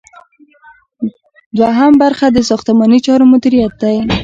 دوهم برخه د ساختماني چارو مدیریت دی.